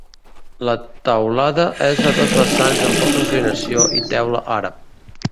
La teulada és a dos vessants amb poca inclinació i teula àrab.